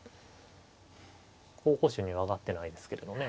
候補手には挙がってないですけれどね。